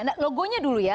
nah logonya dulu ya